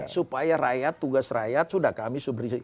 supaya rakyat tugas rakyat sudah kami subri